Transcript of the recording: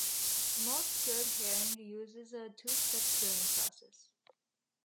Most cured herring uses a two-step curing process.